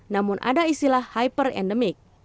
namun ada istilah hyperendemik